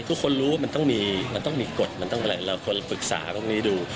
ทุกคนรู้มันต้องมีกฎมันต้องอะไรเราควรฝึกษาตรงนี้ดู